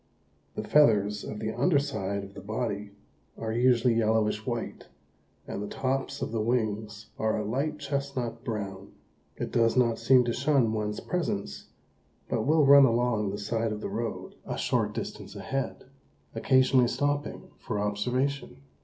The feathers of the underside of the body are usually yellowish white and the tops of the wings are a light chestnut brown. It does not seem to shun one's presence, but will run along the side of the road, a short distance ahead, occasionally stopping for observation.